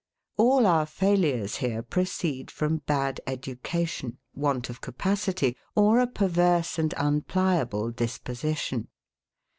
All our failures here proceed from bad education, want of capacity, or a perverse and unpliable disposition.